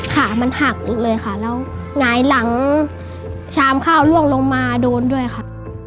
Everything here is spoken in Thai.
ขามันหักเลยค่ะแล้วหงายหลังชามข้าวล่วงลงมาโดนด้วยค่ะ